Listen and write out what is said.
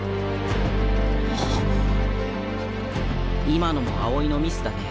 今のも青井のミスだね。